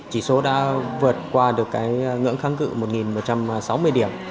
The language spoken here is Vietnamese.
chỉ số đã vượt qua được cái ngưỡng kháng cự một một trăm sáu mươi điểm